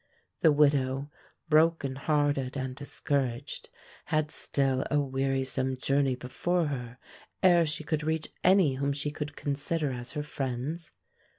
The widow, broken hearted and discouraged, had still a wearisome journey before her ere she could reach any whom she could consider as her friends.